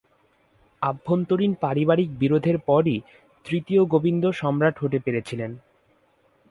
আভ্যন্তরীণ পারিবারিক বিরোধের পরই তৃতীয় গোবিন্দ সম্রাট হতে পেরেছিলেন।